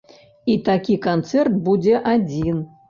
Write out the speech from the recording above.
І такі канцэрт будзе адзін.